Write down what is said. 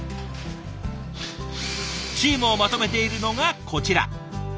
チームをまとめているのがこちら。